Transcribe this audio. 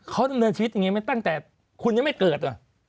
เขาดำเนินชีวิตอย่างนี้ไหมตั้งแต่คุณยังไม่เกิด